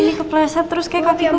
ini kepleset terus kayak kaki gue